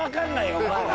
お前ら。